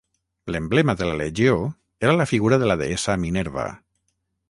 L'emblema de la legió era la figura de la deessa Minerva.